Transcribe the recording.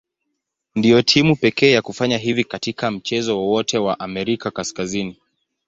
Ndio timu pekee ya kufanya hivi katika mchezo wowote wa Amerika Kaskazini.